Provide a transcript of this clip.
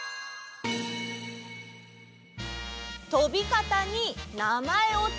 「とびかたになまえをつけよう」？